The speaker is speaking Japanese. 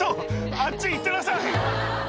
あっち行ってなさい！